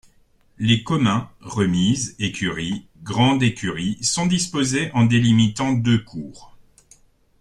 Les communs, remise, écurie, grande écurie sont disposés en délimitant deux cours.